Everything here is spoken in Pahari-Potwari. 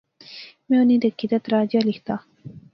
میں انیں دیکھی تہ ترہا جیا لختا